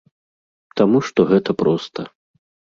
Таму што гэта проста.